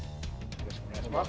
よろしくお願いします。